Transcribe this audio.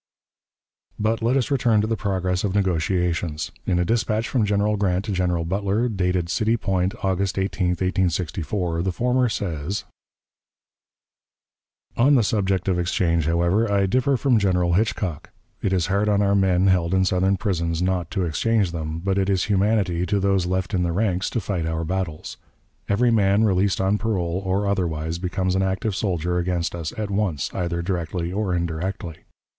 But let us return to the progress of negotiations. In a dispatch from General Grant to General Butler, dated City Point, August 18, 1864, the former says: "On the subject of exchange, however, I differ from General Hitchcock. It is hard on our men held in Southern prisons not to exchange them, but it is humanity to those left in the ranks to fight our battles. Every man released on parole, or otherwise, becomes an active soldier against us at once, either directly or indirectly.